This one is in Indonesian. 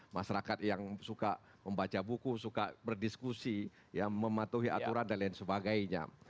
masyarakat yang suka membaca buku suka berdiskusi mematuhi aturan dan lain sebagainya